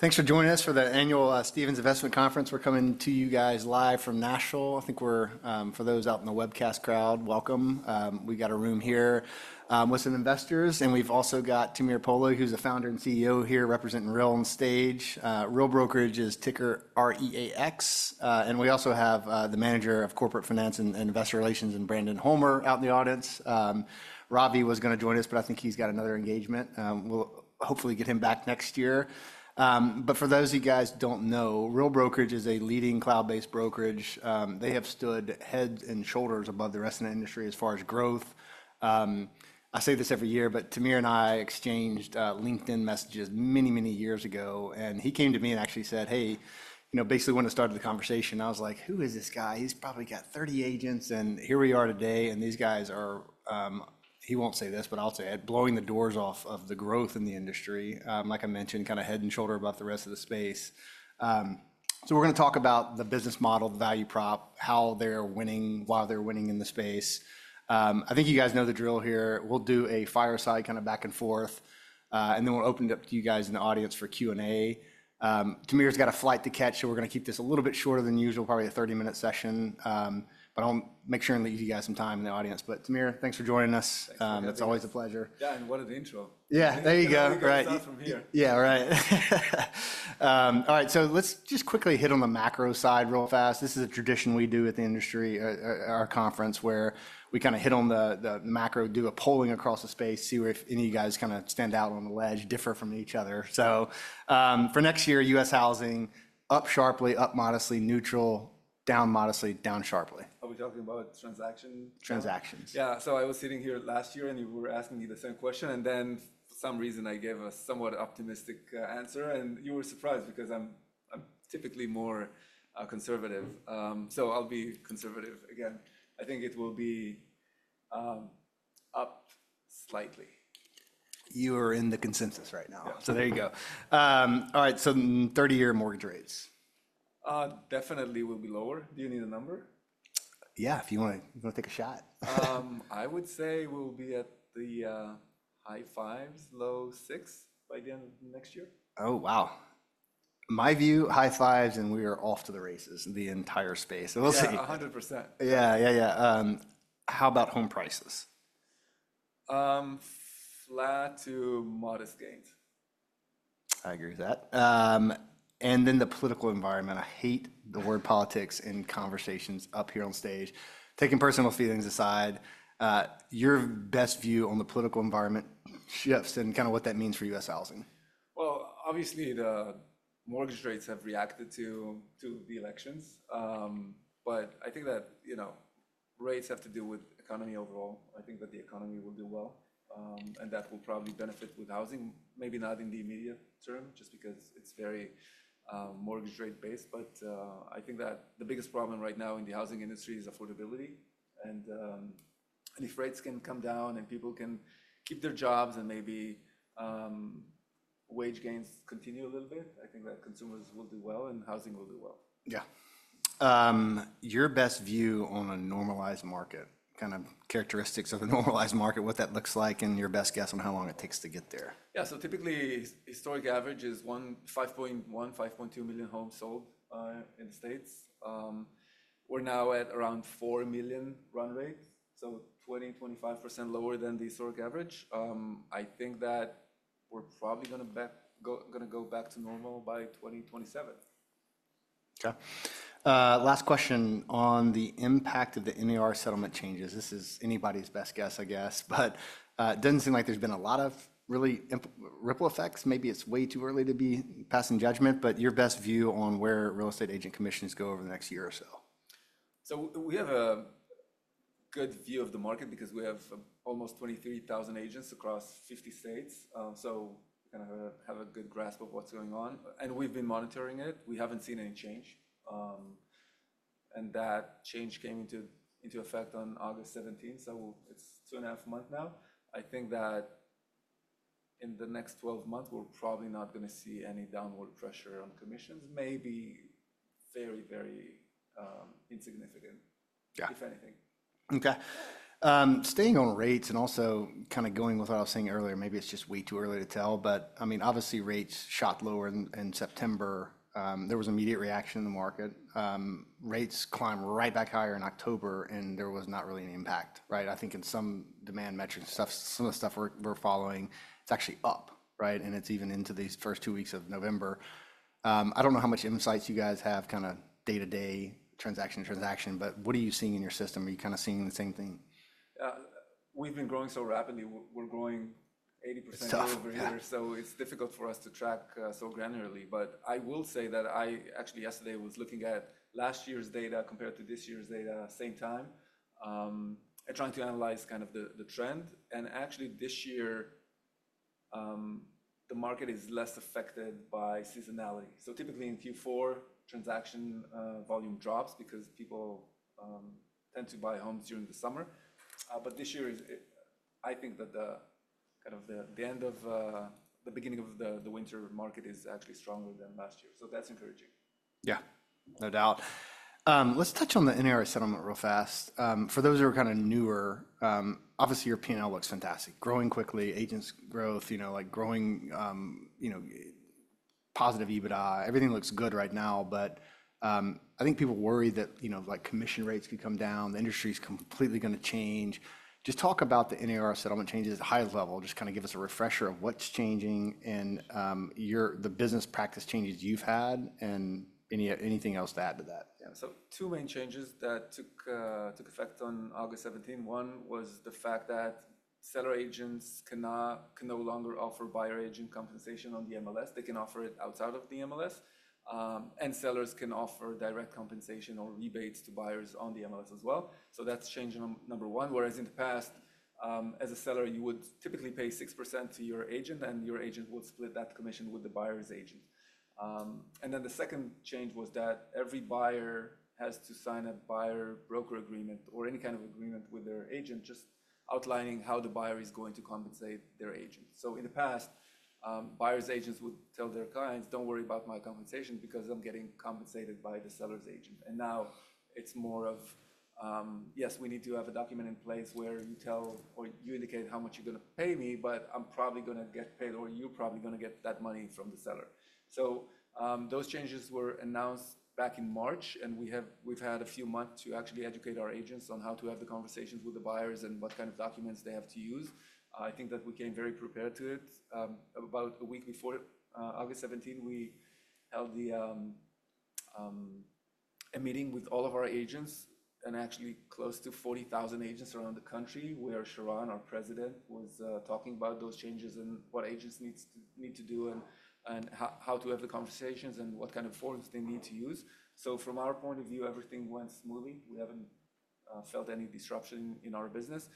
Thanks for joining us for the annual Stephens Investment Conference. We're coming to you guys live from Nashville. I think we're, for those out in the webcast crowd, welcome. We got a room here with some investors. And we've also got Tamir Poleg, who's the founder and CEO here, representing Real on stage. Real Brokerage is ticker REAX. And we also have the manager of Corporate Finance and Investor Relations, Brandon Homer, out in the audience. Ravi was going to join us, but I think he's got another engagement. We'll hopefully get him back next year. But for those of you guys who don't know, Real Brokerage is a leading cloud-based brokerage. They have stood heads and shoulders above the rest of the industry as far as growth. I say this every year, but Tamir and I exchanged LinkedIn messages many, many years ago. He came to me and actually said, "Hey," you know, basically when I started the conversation, I was like, "Who is this guy? He's probably got 30 agents." And here we are today. And these guys are—he won't say this, but I'll say it—"blowing the doors off of the growth in the industry." Like I mentioned, kind of head and shoulders above the rest of the space. So we're going to talk about the business model, the value prop, how they're winning, why they're winning in the space. I think you guys know the drill here. We'll do a fireside kind of back and forth. And then we'll open it up to you guys in the audience for Q&A. Tamir's got a flight to catch, so we're going to keep this a little bit shorter than usual, probably a 30-minute session. But I'll make sure and leave you guys some time in the audience. But Tamir, thanks for joining us. Thanks. It's always a pleasure. Yeah, and what an intro. Yeah, there you go. Right. It's not from here. Yeah, right. All right, so let's just quickly hit on the macro side real fast. This is a tradition we do at the industry, our conference, where we kind of hit on the macro, do a polling across the space, see if any of you guys kind of stand out on the ledge, differ from each other. So for next year, U.S. housing, up sharply, up modestly, neutral, down modestly, down sharply. Are we talking about transactions? Transactions. Yeah, so I was sitting here last year, and you were asking me the same question. And then for some reason, I gave a somewhat optimistic answer. And you were surprised because I'm typically more conservative. So I'll be conservative again. I think it will be up slightly. You are in the consensus right now. So there you go. All right, so 30-year mortgage rates. Definitely will be lower. Do you need a number? Yeah, if you want to take a shot. I would say we'll be at the high fives, low six by the end of next year. Oh, wow. My view, high fives, and we are off to the races in the entire space, and we'll see. Yeah, 100%. Yeah, yeah, yeah. How about home prices? Flat to modest gains. I agree with that and then the political environment. I hate the word politics in conversations up here on stage. Taking personal feelings aside, your best view on the political environment shifts and kind of what that means for U.S. housing? Well, obviously, the mortgage rates have reacted to the elections. But I think that, you know, rates have to do with the economy overall. I think that the economy will do well. And that will probably benefit with housing, maybe not in the immediate term, just because it's very mortgage rate-based. But I think that the biggest problem right now in the housing industry is affordability. And if rates can come down and people can keep their jobs and maybe wage gains continue a little bit, I think that consumers will do well and housing will do well. Yeah. Your best view on a normalized market, kind of characteristics of a normalized market, what that looks like, and your best guess on how long it takes to get there? Yeah, so typically, historic average is 5.1, 5.2 million homes sold in the States. We're now at around 4 million run rate, so 20%, 25% lower than the historic average. I think that we're probably going to go back to normal by 2027. Okay. Last question on the impact of the NAR settlement changes. This is anybody's best guess, I guess. But it doesn't seem like there's been a lot of real ripple effects. Maybe it's way too early to be passing judgment. But your best view on where real estate agent commissions go over the next year or so. We have a good view of the market because we have almost 23,000 agents across 50 states. We kind of have a good grasp of what's going on. We've been monitoring it. We haven't seen any change. That change came into effect on August 17. It's two and a half months now. I think that in the next 12 months, we're probably not going to see any downward pressure on commissions, maybe very, very insignificant, if anything. Okay. Staying on rates and also kind of going with what I was saying earlier, maybe it's just way too early to tell. But I mean, obviously, rates shot lower in September. There was immediate reaction in the market. Rates climbed right back higher in October, and there was not really an impact, right? I think in some demand metrics, some of the stuff we're following, it's actually up, right? And it's even into these first two weeks of November. I don't know how much insights you guys have kind of day-to-day transaction to transaction. But what are you seeing in your system? Are you kind of seeing the same thing? We've been growing so rapidly. We're growing 80% year over year, so it's difficult for us to track so granularly. But I will say that I actually yesterday was looking at last year's data compared to this year's data at the same time, trying to analyze kind of the trend, and actually, this year, the market is less affected by seasonality. Typically, in Q4, transaction volume drops because people tend to buy homes during the summer, but this year, I think that kind of the end of the beginning of the winter market is actually stronger than last year, so that's encouraging. Yeah, no doubt. Let's touch on the NAR settlement real fast. For those who are kind of newer, obviously, your P&L looks fantastic, growing quickly, agents growth, like growing positive EBITDA. Everything looks good right now. But I think people worry that commission rates could come down. The industry is completely going to change. Just talk about the NAR settlement changes at a high level. Just kind of give us a refresher of what's changing and the business practice changes you've had and anything else to add to that. Yeah, so two main changes that took effect on August 17. One was the fact that seller agents can no longer offer buyer agent compensation on the MLS. They can offer it outside of the MLS. And sellers can offer direct compensation or rebates to buyers on the MLS as well. So that's change number one. Whereas in the past, as a seller, you would typically pay 6% to your agent, and your agent would split that commission with the buyer's agent. And then the second change was that every buyer has to sign a buyer broker agreement or any kind of agreement with their agent, just outlining how the buyer is going to compensate their agent. So in the past, buyer's agents would tell their clients, "Don't worry about my compensation because I'm getting compensated by the seller's agent." And now it's more of, "Yes, we need to have a document in place where you tell or you indicate how much you're going to pay me, but I'm probably going to get paid or you're probably going to get that money from the seller." So those changes were announced back in March. And we've had a few months to actually educate our agents on how to have the conversations with the buyers and what kind of documents they have to use. I think that we came very prepared to it. About a week before August 17, we held a meeting with all of our agents and actually close to 40,000 agents around the country, where Sharran, our President, was talking about those changes and what agents need to do and how to have the conversations and what kind of forms they need to use. So from our point of view, everything went smoothly. We haven't felt any disruption in our business.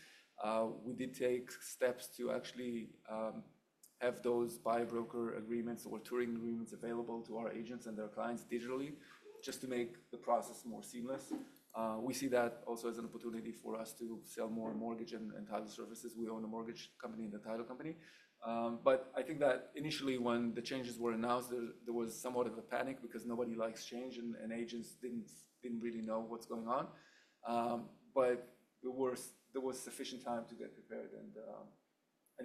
We did take steps to actually have those buyer broker agreements or touring agreements available to our agents and their clients digitally, just to make the process more seamless. We see that also as an opportunity for us to sell more mortgage and title services. We own a mortgage company and a title company. But I think that initially, when the changes were announced, there was somewhat of a panic because nobody likes change, and agents didn't really know what's going on. But there was sufficient time to get prepared. And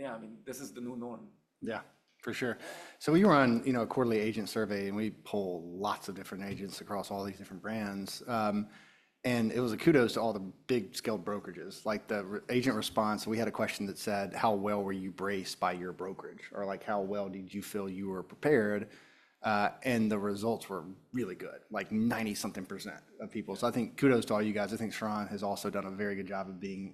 yeah, I mean, this is the new norm. Yeah, for sure. So we were on a quarterly agent survey, and we pull lots of different agents across all these different brands. And it was a kudos to all the big-scale brokerages. Like, the agent response, we had a question that said, "How well were you braced by your brokerage?" Or like, "How well did you feel you were prepared?" And the results were really good, like 90-something% of people. So I think kudos to all you guys. I think Sharran has also done a very good job of being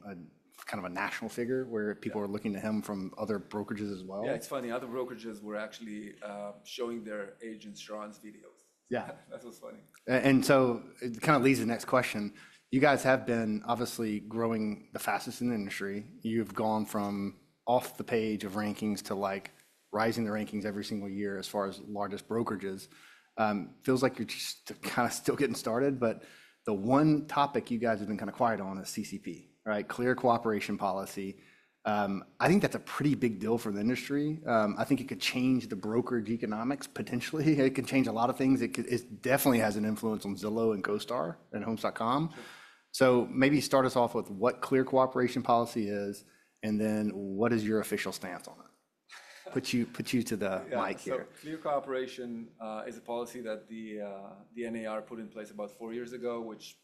kind of a national figure where people are looking to him from other brokerages as well. Yeah, it's funny. Other brokerages were actually showing their agents Sharran's videos. Yeah. That was funny. And so it kind of leads to the next question. You guys have been obviously growing the fastest in the industry. You've gone from off the page of rankings to rising the rankings every single year as far as largest brokerages. Feels like you're just kind of still getting started. But the one topic you guys have been kind of quiet on is CCP, right? Clear Cooperation Policy. I think that's a pretty big deal for the industry. I think it could change the brokerage economics, potentially. It can change a lot of things. It definitely has an influence on Zillow and CoStar and Homes.com. So maybe start us off with what Clear Cooperation Policy is, and then what is your official stance on it? Put you to the mic here. Yeah, so Clear Cooperation is a policy that the NAR put in place about four years ago, which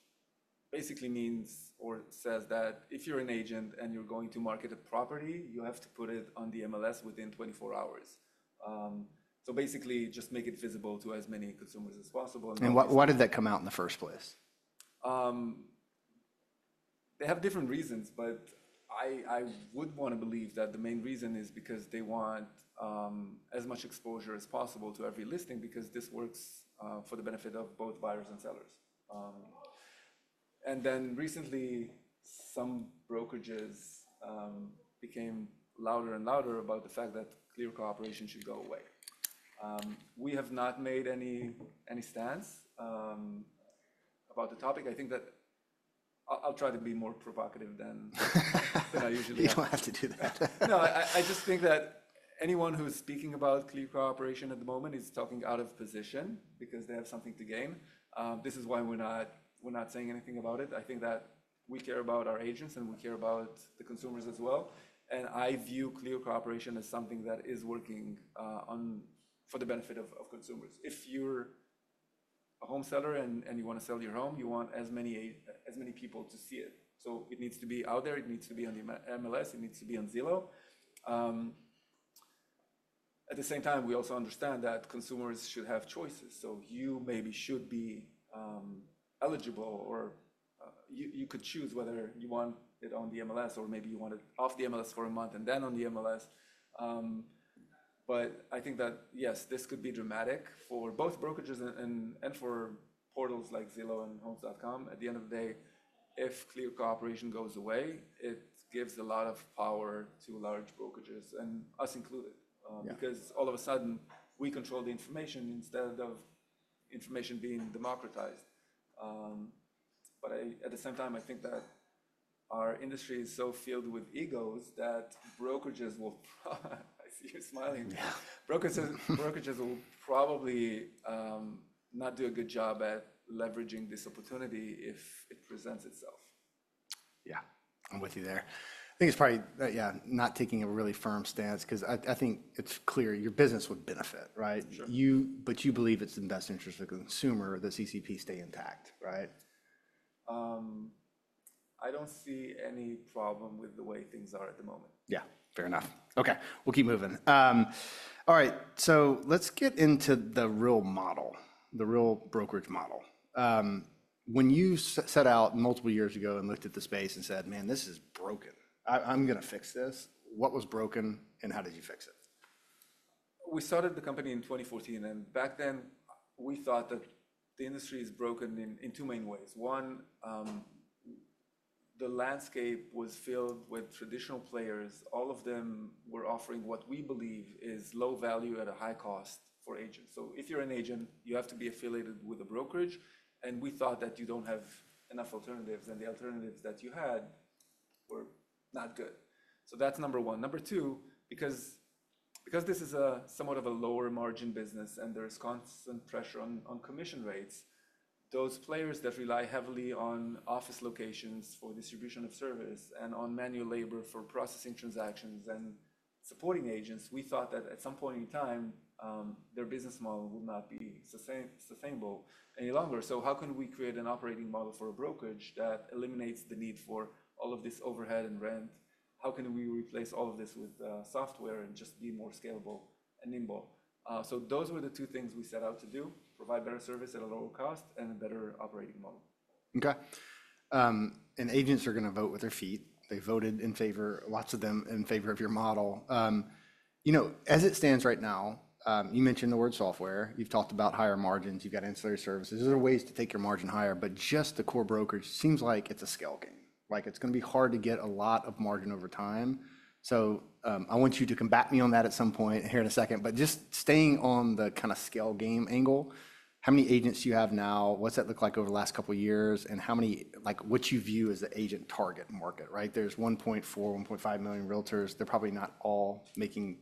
basically means or says that if you're an agent and you're going to market a property, you have to put it on the MLS within 24 hours. So basically, just make it visible to as many consumers as possible. Why did that come out in the first place? They have different reasons, but I would want to believe that the main reason is because they want as much exposure as possible to every listing because this works for the benefit of both buyers and sellers. And then recently, some brokerages became louder and louder about the fact that Clear Cooperation should go away. We have not made any stance about the topic. I think that I'll try to be more provocative than I usually am. You don't have to do that. No, I just think that anyone who's speaking about Clear Cooperation at the moment is talking out of position because they have something to gain. This is why we're not saying anything about it. I think that we care about our agents, and we care about the consumers as well. And I view Clear Cooperation as something that is working for the benefit of consumers. If you're a home seller and you want to sell your home, you want as many people to see it. So it needs to be out there. It needs to be on the MLS. It needs to be on Zillow. At the same time, we also understand that consumers should have choices. So you maybe should be eligible or you could choose whether you want it on the MLS or maybe you want it off the MLS for a month and then on the MLS. But I think that, yes, this could be dramatic for both brokerages and for portals like Zillow and Homes.com. At the end of the day, if Clear Cooperation goes away, it gives a lot of power to large brokerages and us included because all of a sudden, we control the information instead of information being democratized. But at the same time, I think that our industry is so filled with egos that brokerages will, I see you're smiling, brokerages will probably not do a good job at leveraging this opportunity if it presents itself. Yeah, I'm with you there. I think it's probably, yeah, not taking a really firm stance because I think it's clear your business would benefit, right? But you believe it's in the best interest of the consumer or the CCP stay intact, right? I don't see any problem with the way things are at the moment. Yeah, fair enough. Okay, we'll keep moving. All right, so let's get into the real model, the real brokerage model. When you set out multiple years ago and looked at the space and said, "Man, this is broken. I'm going to fix this," what was broken and how did you fix it? We started the company in 2014, and back then, we thought that the industry is broken in two main ways. One, the landscape was filled with traditional players. All of them were offering what we believe is low value at a high cost for agents, so if you're an agent, you have to be affiliated with a brokerage, and we thought that you don't have enough alternatives, and the alternatives that you had were not good, so that's number one. Number two, because this is somewhat of a lower margin business and there's constant pressure on commission rates, those players that rely heavily on office locations for distribution of service and on manual labor for processing transactions and supporting agents, we thought that at some point in time, their business model would not be sustainable any longer. How can we create an operating model for a brokerage that eliminates the need for all of this overhead and rent? How can we replace all of this with software and just be more scalable and nimble? Those were the two things we set out to do: provide better service at a lower cost and a better operating model. Okay. And agents are going to vote with their feet. They voted in favor, lots of them in favor of your model. As it stands right now, you mentioned the word software. You've talked about higher margins. You've got ancillary services. There are ways to take your margin higher. But just the core brokerage seems like it's a scale game. Like it's going to be hard to get a lot of margin over time. So I want you to combat me on that at some point here in a second. But just staying on the kind of scale game angle, how many agents do you have now? What's that look like over the last couple of years? And what do you view as the agent target market, right? There's 1.4-1.5 million realtors. They're probably not all making,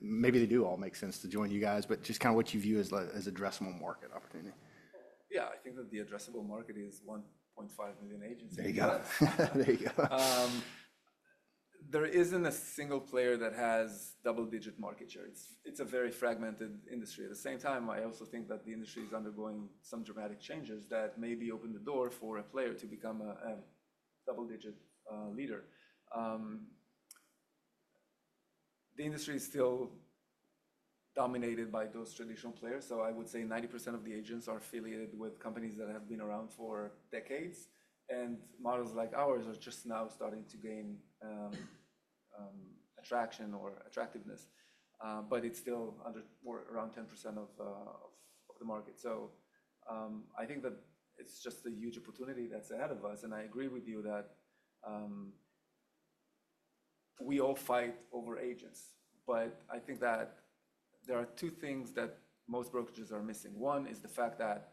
maybe they do all make sense to join you guys. But just kind of, what do you view as an addressable market opportunity? Yeah, I think that the addressable market is 1.5 million agents. There you go. There isn't a single player that has double-digit market share. It's a very fragmented industry. At the same time, I also think that the industry is undergoing some dramatic changes that maybe open the door for a player to become a double-digit leader. The industry is still dominated by those traditional players. So I would say 90% of the agents are affiliated with companies that have been around for decades. And models like ours are just now starting to gain attraction or attractiveness. But it's still under around 10% of the market. So I think that it's just a huge opportunity that's ahead of us. And I agree with you that we all fight over agents. But I think that there are two things that most brokerages are missing. One is the fact that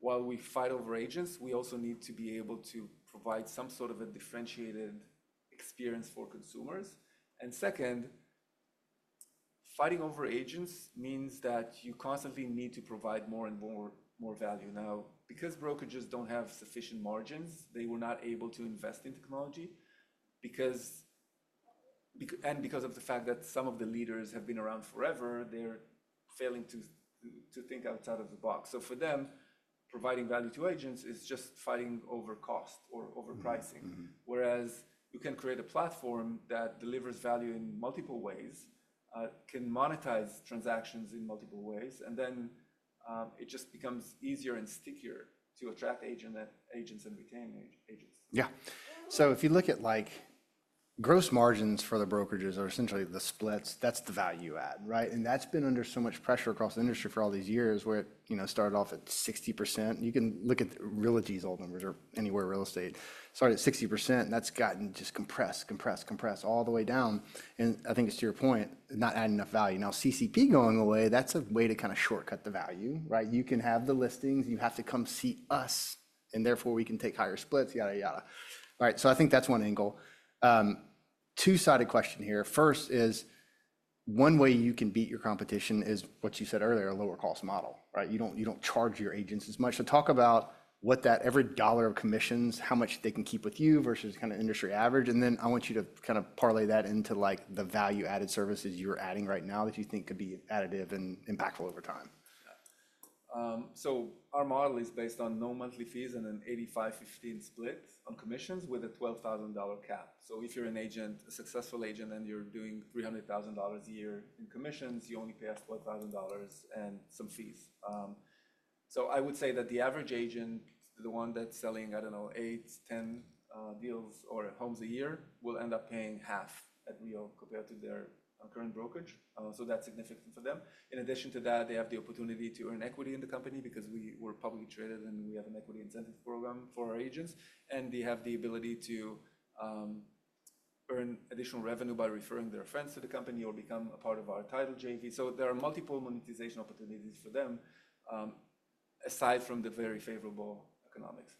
while we fight over agents, we also need to be able to provide some sort of a differentiated experience for consumers. And second, fighting over agents means that you constantly need to provide more and more value. Now, because brokerages don't have sufficient margins, they were not able to invest in technology. And because of the fact that some of the leaders have been around forever, they're failing to think outside of the box. So for them, providing value to agents is just fighting over cost or over pricing. Whereas you can create a platform that delivers value in multiple ways, can monetize transactions in multiple ways, and then it just becomes easier and stickier to attract agents and retain agents. Yeah. So if you look at gross margins for the brokerages are essentially the splits, that's the value add, right? And that's been under so much pressure across the industry for all these years where it started off at 60%. You can look at real estate's old numbers or anywhere real estate. Started at 60%. That's gotten just compressed, compressed, compressed all the way down. And I think it's to your point, not adding enough value. Now, CCP going away, that's a way to kind of shortcut the value, right? You can have the listings. You have to come see us, and therefore we can take higher splits, yada, yada. All right, so I think that's one angle. Two-sided question here. First is one way you can beat your competition is what you said earlier, a lower-cost model, right? You don't charge your agents as much. So talk about what that every dollar of commissions, how much they can keep with you versus kind of industry average. And then I want you to kind of parlay that into the value-added services you're adding right now that you think could be additive and impactful over time. Our model is based on no monthly fees and an 85/15 split on commissions with a $12,000 cap. If you're an agent, a successful agent, and you're doing $300,000 a year in commissions, you only pay us $12,000 and some fees. I would say that the average agent, the one that's selling, I don't know, eight, 10 deals or homes a year, will end up paying half at Real compared to their current brokerage. That's significant for them. In addition to that, they have the opportunity to earn equity in the company because we were publicly traded and we have an equity incentive program for our agents. They have the ability to earn additional revenue by referring their friends to the company or become a part of our Title JV. There are multiple monetization opportunities for them aside from the very favorable economics.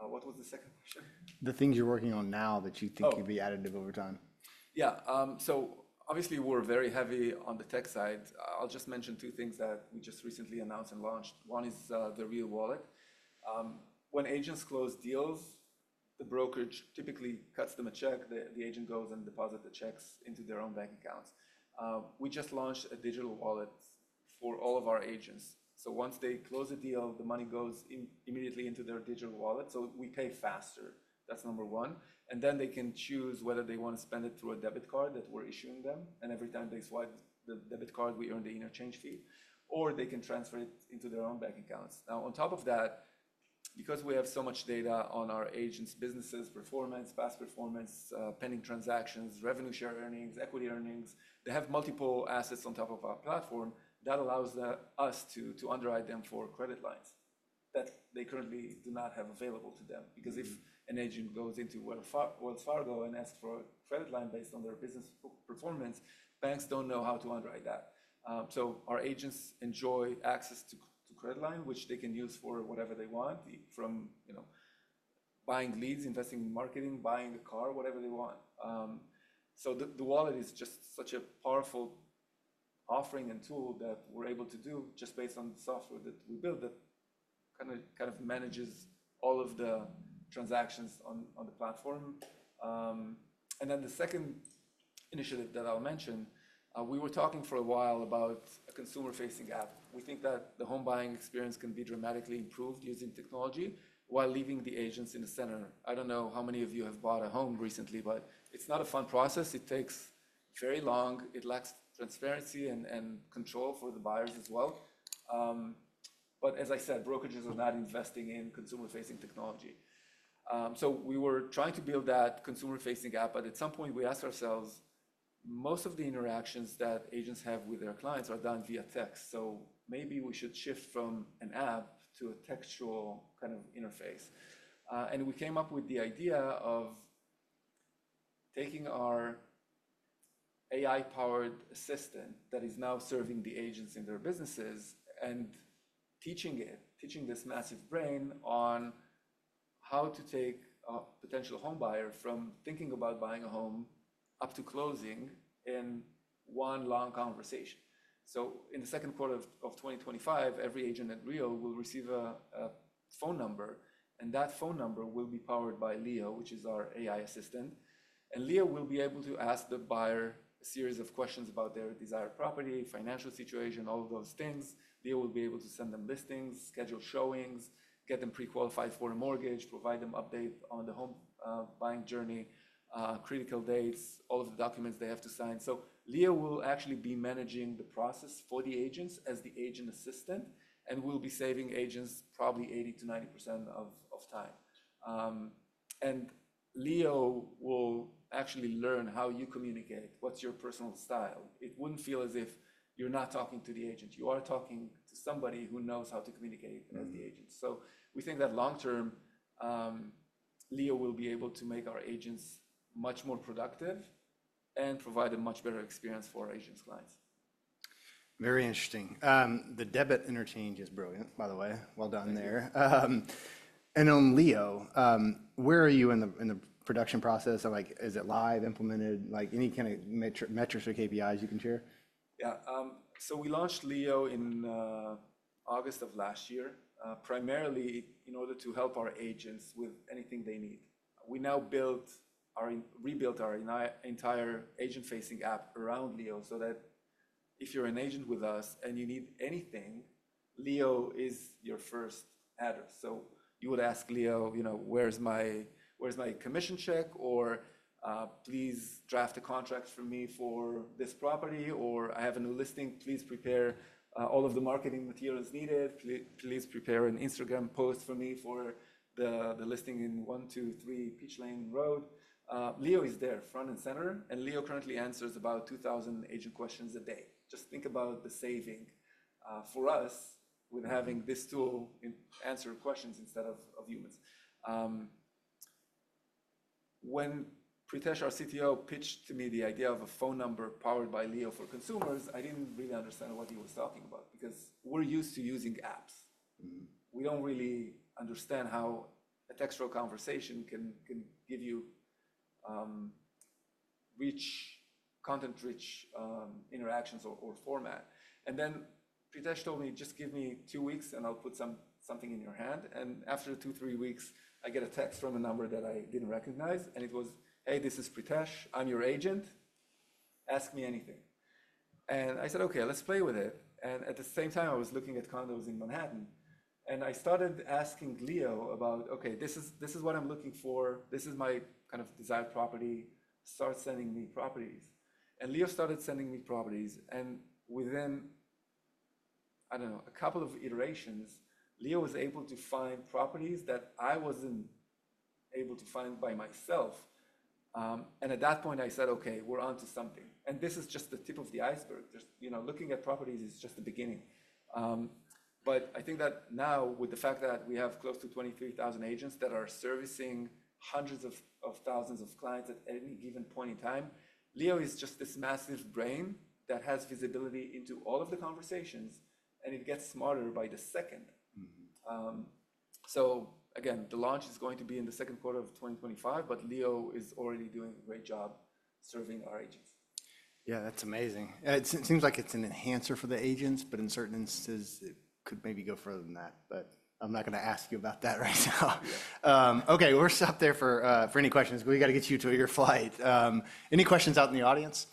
What was the second question? The things you're working on now that you think could be additive over time. Yeah. So obviously, we're very heavy on the tech side. I'll just mention two things that we just recently announced and launched. One is the RealWallet. When agents close deals, the brokerage typically cuts them a check. The agent goes and deposits the checks into their own bank accounts. We just launched a digital wallet for all of our agents. So once they close a deal, the money goes immediately into their digital wallet. So we pay faster. That's number one, and then they can choose whether they want to spend it through a debit card that we're issuing them. And every time they swipe the debit card, we earn the interchange fee. Or they can transfer it into their own bank accounts. Now, on top of that, because we have so much data on our agents' businesses, performance, past performance, pending transactions, revenue share earnings, equity earnings, they have multiple assets on top of our platform that allows us to underwrite them for credit lines that they currently do not have available to them. Because if an agent goes into Wells Fargo and asks for a credit line based on their business performance, banks don't know how to underwrite that. So our agents enjoy access to credit line, which they can use for whatever they want, from buying leads, investing in marketing, buying a car, whatever they want. So the wallet is just such a powerful offering and tool that we're able to do just based on the software that we build that kind of manages all of the transactions on the platform. And then the second initiative that I'll mention. We were talking for a while about a consumer-facing app. We think that the home buying experience can be dramatically improved using technology while leaving the agents in the center. I don't know how many of you have bought a home recently, but it's not a fun process. It takes very long. It lacks transparency and control for the buyers as well. But as I said, brokerages are not investing in consumer-facing technology. So we were trying to build that consumer-facing app. But at some point, we asked ourselves. Most of the interactions that agents have with their clients are done via text. So maybe we should shift from an app to a textual kind of interface. We came up with the idea of taking our AI-powered assistant that is now serving the agents in their businesses and teaching it, teaching this massive brain on how to take a potential home buyer from thinking about buying a home up to closing in one long conversation. In the second quarter of 2025, every agent at Real will receive a phone number. That phone number will be powered by Leo, which is our AI assistant. Leo will be able to ask the buyer a series of questions about their desired property, financial situation, all of those things. Leo will be able to send them listings, schedule showings, get them pre-qualified for a mortgage, provide them updates on the home buying journey, critical dates, all of the documents they have to sign. Leo will actually be managing the process for the agents as the agent assistant and will be saving agents probably 80%-90% of time. And Leo will actually learn how you communicate, what's your personal style. It wouldn't feel as if you're not talking to the agent. You are talking to somebody who knows how to communicate as the agent. So we think that long term, Leo will be able to make our agents much more productive and provide a much better experience for our agent's clients. Very interesting. The debit interchange is brilliant, by the way. Well done there. And on Leo, where are you in the production process? Is it live implemented? Any kind of metrics or KPIs you can share? Yeah. So we launched Leo in August of last year, primarily in order to help our agents with anything they need. We now rebuilt our entire agent-facing app around Leo so that if you're an agent with us and you need anything, Leo is your first address. So you would ask Leo, "Where's my commission check?" or "Please draft a contract for me for this property," or "I have a new listing. Please prepare all of the marketing materials needed. Please prepare an Instagram post for me for the listing in one, two, three Peach Lane Road." Leo is there front and center. And Leo currently answers about 2,000 agent questions a day. Just think about the saving for us with having this tool answer questions instead of humans. When Pritesh, our CTO, pitched to me the idea of a phone number powered by Leo for consumers, I didn't really understand what he was talking about because we're used to using apps. We don't really understand how a textual conversation can give you content-rich interactions or format. And then Pritesh told me, "Just give me two weeks and I'll put something in your hand." And after two, three weeks, I get a text from a number that I didn't recognize. And it was, "Hey, this is Pritesh. I'm your agent. Ask me anything." And I said, "Okay, let's play with it." And at the same time, I was looking at condos in Manhattan. And I started asking Leo about, "Okay, this is what I'm looking for. This is my kind of desired property. Start sending me properties." And Leo started sending me properties. And within, I don't know, a couple of iterations, Leo was able to find properties that I wasn't able to find by myself. And at that point, I said, "Okay, we're onto something." And this is just the tip of the iceberg. Looking at properties is just the beginning. But I think that now, with the fact that we have close to 23,000 agents that are servicing hundreds of thousands of clients at any given point in time, Leo is just this massive brain that has visibility into all of the conversations. And it gets smarter by the second. So again, the launch is going to be in the second quarter of 2025, but Leo is already doing a great job serving our agents. Yeah, that's amazing. It seems like it's an enhancer for the agents, but in certain instances, it could maybe go further than that. But I'm not going to ask you about that right now. Okay, we'll stop there for any questions. We got to get you to your flight. Any questions out in the audience?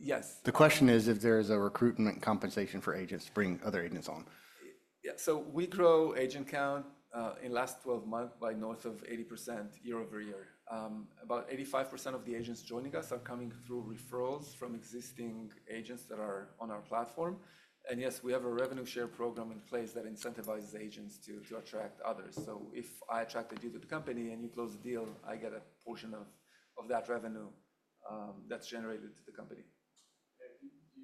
I'm curious. I'm not familiar with the story, but is there a compensation? Is there a recruitment compensation for agents? Yes. The question is if there is a recruitment compensation for agents to bring other agents on. Yeah. So we grow agent count in the last 12 months by north of 80% year over year. About 85% of the agents joining us are coming through referrals from existing agents that are on our platform. And yes, we have a revenue share program in place that incentivizes agents to attract others. So if I attract a deal to the company and you close a deal, I get a portion of that revenue that's generated to the company.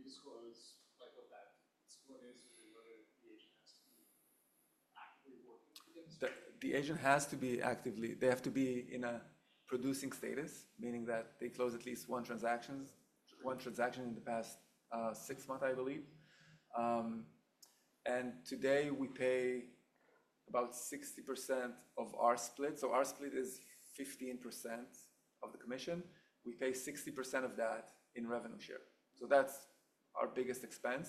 Do you disclose what that disclosure is and whether the agent has to be actively working with them? The agent has to be actively they have to be in a producing status, meaning that they close at least one transaction in the past six months, I believe, and today, we pay about 60% of our split. So our split is 15% of the commission. We pay 60% of that in revenue share. So that's our biggest expense.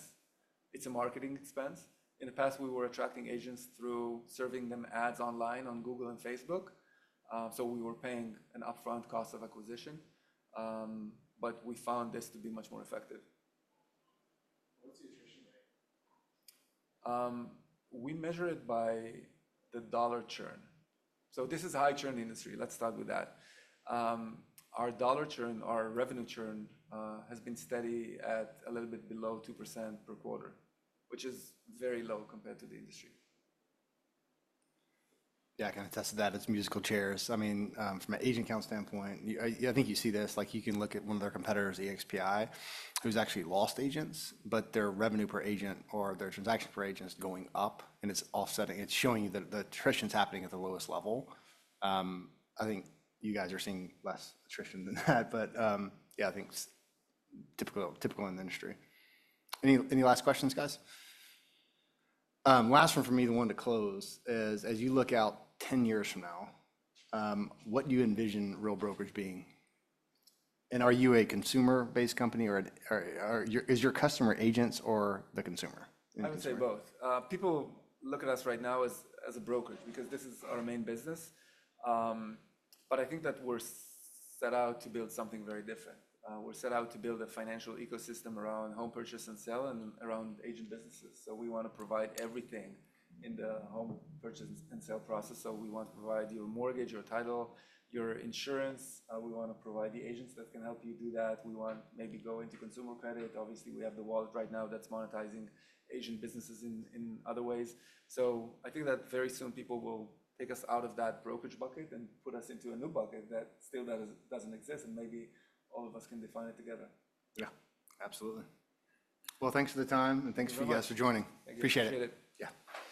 It's a marketing expense. In the past, we were attracting agents through serving them ads online on Google and Facebook. So we were paying an upfront cost of acquisition. But we found this to be much more effective. What's the attrition rate? We measure it by the dollar churn. So this is a high-churn industry. Let's start with that. Our dollar churn, our revenue churn has been steady at a little bit below 2% per quarter, which is very low compared to the industry. Yeah, I kind of tested that. It's musical chairs. I mean, from an agent count standpoint, I think you see this. You can look at one of their competitors, EXPI, who's actually lost agents, but their revenue per agent or their transaction per agent is going up. And it's offsetting. It's showing you that the attrition is happening at the lowest level. I think you guys are seeing less attrition than that. But yeah, I think it's typical in the industry. Any last questions, guys? Last one for me, the one to close is, as you look out 10 years from now, what do you envision Real Brokerage being? And are you a consumer-based company or is your customer agents or the consumer? I would say both. People look at us right now as a brokerage because this is our main business. But I think that we're set out to build something very different. We're set out to build a financial ecosystem around home purchase and sale and around agent businesses. So we want to provide everything in the home purchase and sale process. So we want to provide your mortgage, your title, your insurance. We want to provide the agents that can help you do that. We want maybe to go into consumer credit. Obviously, we have the wallet right now that's monetizing agent businesses in other ways. So I think that very soon, people will take us out of that brokerage bucket and put us into a new bucket that still doesn't exist. And maybe all of us can define it together. Yeah, absolutely. Well, thanks for the time. And thanks for you guys for joining. Appreciate it. Yeah.